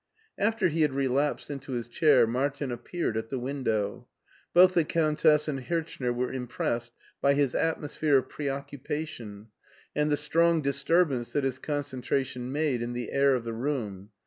After he had relapsed into his chair, Martin ap peared at the window. Both the Countess and Hirch ner were impressed by his atmosphere of preoccupa tion, and the strong disturbance that his concentration made in the air of the room.